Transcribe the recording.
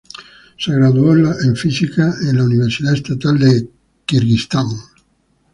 Se graduó en física de la Universidad Estatal de Kirguistán.